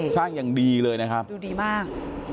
อย่างดีเลยนะครับดูดีมาก